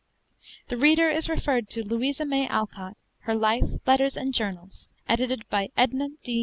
The reader is referred to 'Louisa May Alcott: Her Life, Letters, and Journals,' edited by Ednah D.